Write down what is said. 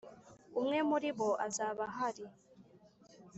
Umwe muribo azabahari.